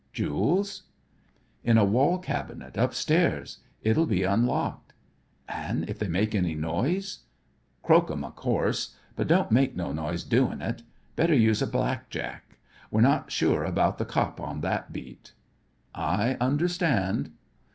"Jewels?" "In a wall cabinet upstairs. It'll be unlocked." "An' if they make any noise?" "Croak 'em, of course. But don't make no noise doin' it. Better use a blackjack. We're not sure about the cop on that beat." "I understand."